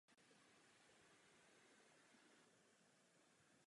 V Českobratrské církvi evangelické je ovšem používán termín farář.